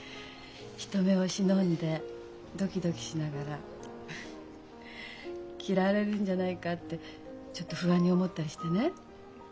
人目を忍んでドキドキしながらフフッ嫌われるんじゃないかってちょっと不安に思ったりしてね。